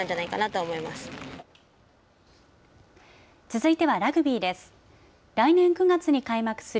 続いてはラグビーです。